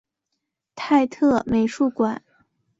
泰特美术馆。